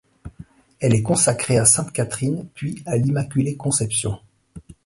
Elle est consacrée à sainte Catherine, puis à l'Immaculée Conception.